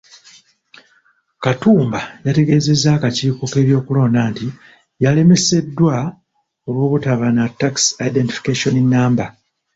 Katumba yategeezezza akakiiko k'ebyokulonda nti yalemeseddwa olw'obutaba na Tax Identification Namba.